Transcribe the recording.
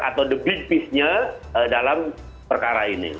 atau the big fish nya dalam perkara ini